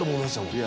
いや